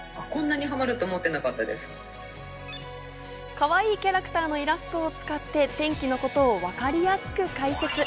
かわいいキャラクターのイラストを使って天気のことをわかりやすく解説。